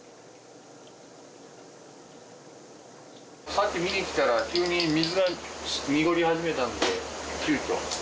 さっき見に来たら急に水が濁り始めたので急きょ。